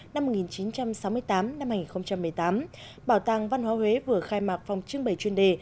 năm một nghìn chín trăm sáu mươi tám hai nghìn một mươi tám bảo tàng văn hóa huế vừa khai mạc phòng trưng bày chuyên đề